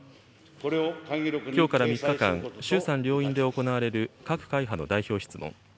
きょうから３日間、衆参両院で行われる各会派の代表質問。